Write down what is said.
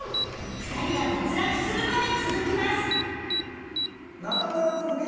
２人が脱落するまで続きます